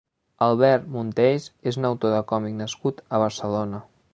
Albert Monteys és un autor de còmic nascut a Barcelona.